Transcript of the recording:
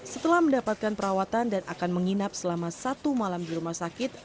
setelah mendapatkan perawatan dan akan menginap selama satu malam di rumah sakit